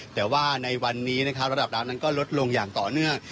แต่ว่าในวันนี้นะครับระดับน้ำนั้นก็ลดลงอย่างต่อเนื่อง